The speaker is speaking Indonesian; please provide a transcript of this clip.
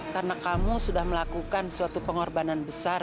karena kamu sudah melakukan suatu pengorbanan besar